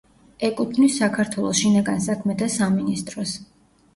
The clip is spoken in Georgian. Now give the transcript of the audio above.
ეკუთვნის საქართველოს შინაგან საქმეთა სამინისტროს.